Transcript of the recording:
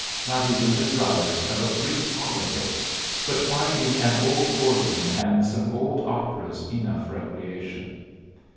Not even desirous of a brief holiday, but finding an old organ and some old operas enough recreation!